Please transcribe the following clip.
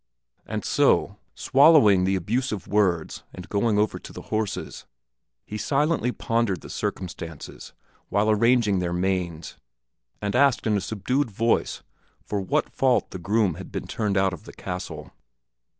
And so, swallowing the abusive words and going over to the horses, he silently pondered the circumstances while arranging their manes, and asked in a subdued voice for what fault the groom had been turned out of the castle.